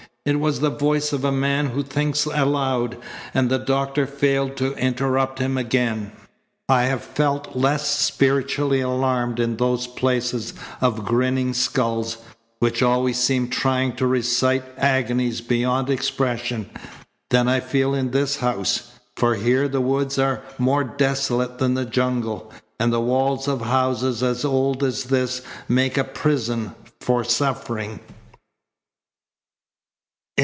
It was the voice of a man who thinks aloud, and the doctor failed to interrupt him again. "I have felt less spiritually alarmed in those places of grinning skulls, which always seem trying to recite agonies beyond expression, than I feel in this house. For here the woods are more desolate than the jungle, and the walls of houses as old as this make a prison for suffering."